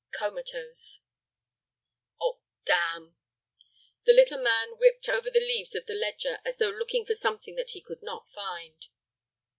"Comatose." "Oh, damn!" The little man whipped over the leaves of the ledger, as though looking for something that he could not find.